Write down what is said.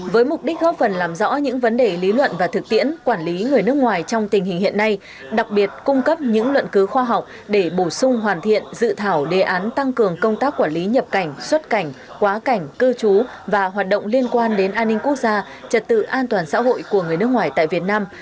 với mục đích góp phần làm rõ những vấn đề lý luận và thực tiễn quản lý người nước ngoài trong tình hình hiện nay đặc biệt cung cấp những luận cứu khoa học để bổ sung hoàn thiện dự thảo đề án tăng cường công tác quản lý nhập cảnh xuất cảnh quá cảnh cư trú và hoạt động liên quan đến an ninh quốc gia trật tự an toàn xã hội của người nước ngoài tại việt nam